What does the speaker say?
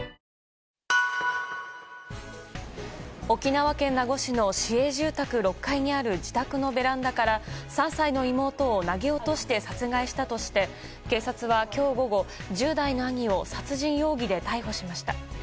沖縄県名護市の市営住宅６階にある自宅のベランダから、３歳の妹を投げ落として殺害したとして、警察はきょう午後、１０代の兄を殺人容疑で逮捕しました。